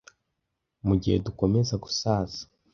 mugihe dukomeza gusaza